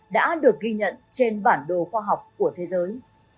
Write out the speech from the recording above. đã được ghi nhận trên bản đồ khoa học của thế giới